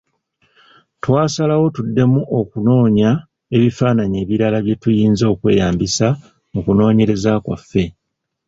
Twasalawo tuddemu okunoonya ebifaananyi ebirala bye tuyinza okweyambisa mu kunoonyereza kwaffe.